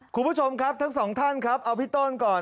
คุณผู้ชมครับทั้งสองท่านครับเอาพี่ต้นก่อน